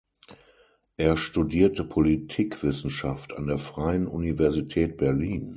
Er studierte Politikwissenschaft an der Freien Universität Berlin.